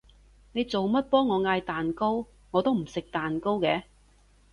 你做乜幫我嗌蛋糕？我都唔食蛋糕嘅